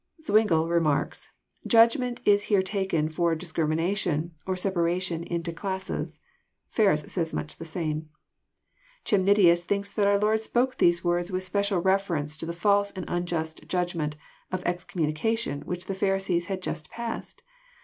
Zwingle remarks :*< Judgment is here taken for discrimina tion, or separation into classes." Ferus says much the same. Chemnitius thinks that our Lord spoke these words with spe cial reference to the false and unjust judgment of excommunica tion which the Pharisees had just passed.